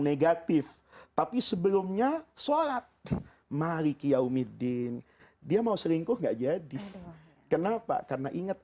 negatif tapi sebelumnya sholat malik yaumiddin dia mau selingkuh enggak jadi kenapa karena ingat